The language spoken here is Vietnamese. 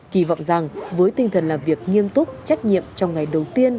kỳ vọng rằng với tinh thần làm việc nghiêm túc trách nhiệm trong ngày đầu tiên